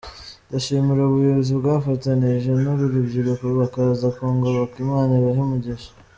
Ndashimira ubuyobozi bwafatanyije n’uru rubyiruko bakaza kungoboka, Imana ibahe umugisha.